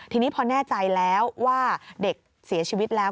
ทีนี้พอแน่ใจแล้วว่าเด็กเสียชีวิตแล้ว